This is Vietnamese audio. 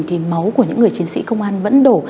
thì máu của những người chiến sĩ công an vẫn đổ